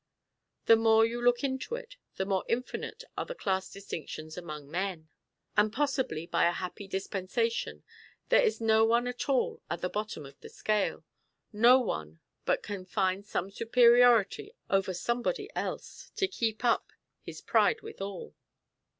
The more you look into it, the more infinite are the class distinctions among men; and possibly, by a happy dispensation, there is no one at all at the bottom of the scale; no one but can find some superiority over somebody else, to keep up his pride withal.